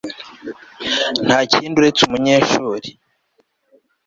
Ntakindi uretse umunyeshuri